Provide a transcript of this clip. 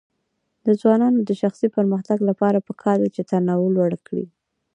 د ځوانانو د شخصي پرمختګ لپاره پکار ده چې تنوع لوړ کړي.